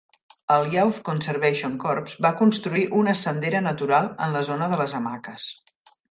El Youth Conservation Corps va construir una sendera natural en la zona de les hamaques.